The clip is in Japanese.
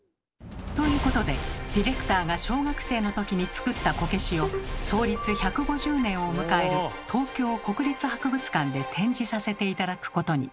ということでディレクターが小学生の時に作ったこけしを創立１５０年を迎える東京国立博物館で展示させて頂くことに。